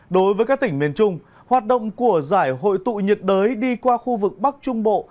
đối với các tỉnh miền trung hoạt động của giải hội tụ nhiệt đới đi qua khu vực bắc trung bộ